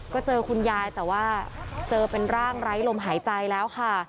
ก็เจอคุณยายแต่ว่าเจอเป็นร่างไร้ลมหายใจแล้วค่ะ